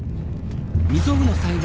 未曽有の災害